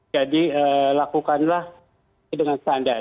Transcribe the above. jadi lakukanlah dengan standar